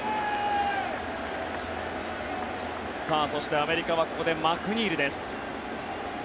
そして、アメリカはここでマクニールです。